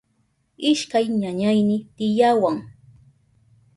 Ishkay ñañayni tiyawan.